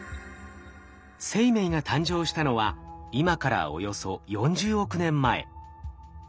生命が誕生したのは今からおよそ４０億年前。